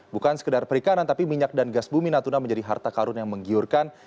bukan sekedar perikanan tapi minyak dan gas bumi natuna menjadi harta karun yang menggiurkan